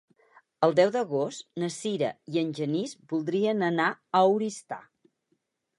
El deu d'agost na Sira i en Genís voldrien anar a Oristà.